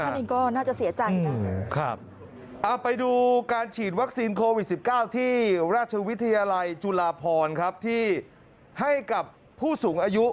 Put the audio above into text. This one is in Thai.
ท่านเองก็น่าจะเสียใจนะเอาไปดูการฉีดวัคซีนโควิด๑๙ที่ราชวิทยาลัยจุฬาพรครับที่ให้กับผู้สูงอายุ